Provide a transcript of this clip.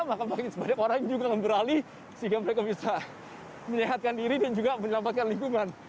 maka makin banyak orang yang juga akan beralih sehingga mereka bisa menyehatkan diri dan juga menyelamatkan lingkungan